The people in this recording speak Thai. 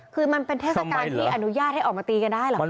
คือมันเป็นเทศกาลที่อนุญาตให้ออกมาตีกันได้เหรอคะ